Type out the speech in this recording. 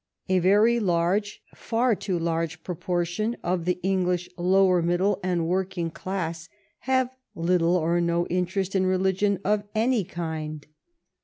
A very large, far too large, proportion of the English lower middle and working class have little or no interest in religion of any kind.